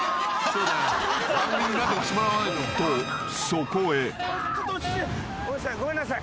［とそこへ］ごめんなさい。